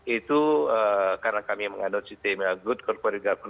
itu karena kami mengandung sistemnya good corporate government